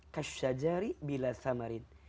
kasyajari bila samarin